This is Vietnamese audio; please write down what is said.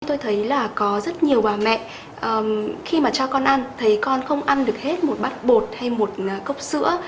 tôi thấy là có rất nhiều bà mẹ khi mà cho con ăn thấy con không ăn được hết một bát bột hay một cốc sữa